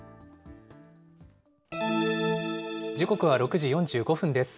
時刻は６時４５分です。